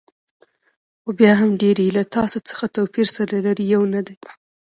خو بیا هم ډېری یې له تاسو څخه توپیر سره لري، یو نه دي.